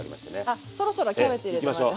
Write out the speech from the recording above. あっそろそろキャベツ入れてもらって。